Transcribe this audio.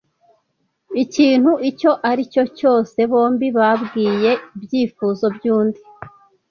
ikintu icyo ari cyo cyose, bombi babwiye ibyifuzo by'undi,